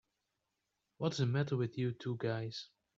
What's the matter with you two guys?